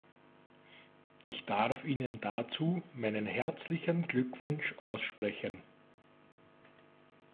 Ich darf Ihnen dazu meinen herzlichen Glückwunsch aussprechen.